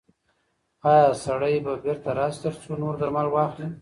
ایا سړی به بیرته راشي ترڅو نور درمل واخلي؟